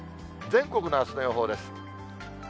全国のあすの予報です。